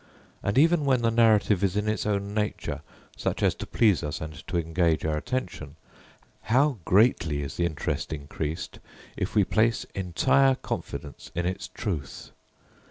And even when the narrative is in its own nature, such as to please us and to engage our attention, how, greatly is the interest increased if we place entire confidence in its truth!